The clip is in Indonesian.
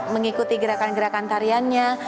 mengikuti gerakan gerakan tariannya